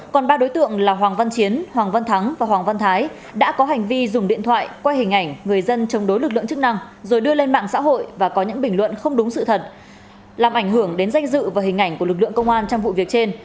còn ba đối tượng là hoàng văn chiến hoàng văn thắng và hoàng văn thái đã có hành vi dùng điện thoại qua hình ảnh người dân chống đối lực lượng chức năng rồi đưa lên mạng xã hội và có những bình luận không đúng sự thật làm ảnh hưởng đến danh dự và hình ảnh của lực lượng công an trong vụ việc trên